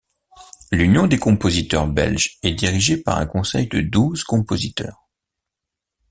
L'Union des compositeurs belges est dirigée par un conseil de douze compositeurs.